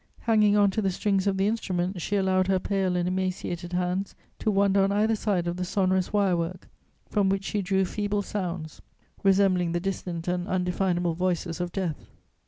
Hanging on to the strings of the instrument, she allowed her pale and emaciated hands to wander on either side of the sonorous wire work, from which she drew feeble sounds, resembling the distant and undefinable voices of death.